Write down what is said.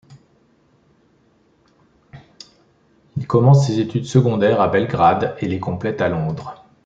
Il commence ses études secondaires à Belgrade et les complète à Londres.